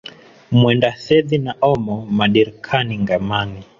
Mwenda thedhi na omo madirkani ngamani